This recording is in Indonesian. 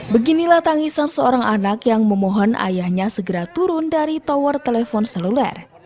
beginilah tangisan seorang anak yang memohon ayahnya segera turun dari tower telepon seluler